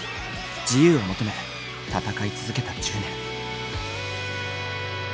自由を求め戦い続けた１０年。